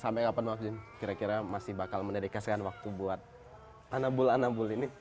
sampai kapan mas jin kira kira masih bakal mendedikasikan waktu buat anabul anambul ini